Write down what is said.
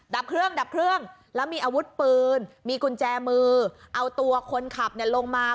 ดับเครื่องดับเครื่องแล้วมีอาวุธปืนมีกุญแจมือเอาตัวคนขับลงมา